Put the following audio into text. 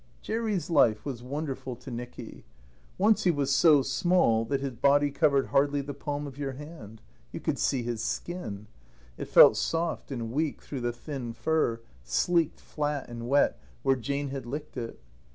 Jerry's life was wonderful to Nicky. Once he was so small that his body covered hardly the palm of your hand; you could see his skin; it felt soft and weak through the thin fur, sleeked flat and wet where Jane had licked it.